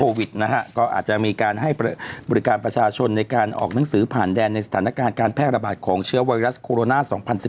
นะฮะก็อาจจะมีการให้บริการประชาชนในการออกหนังสือผ่านแดนในสถานการณ์การแพร่ระบาดของเชื้อไวรัสโคโรนา๒๐๑๙